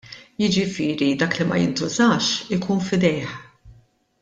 Jiġifieri dak li ma jintużax, ikun f'idejh.